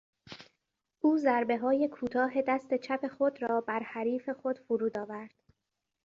او ضربههای کوتاه دست چپ خود را بر حریف خود فرود آورد.